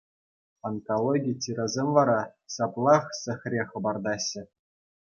Онкологи чирӗсем вара ҫаплах сехре хӑпартаҫҫӗ.